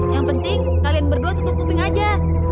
yang penting kalian berdua tutup kuping aja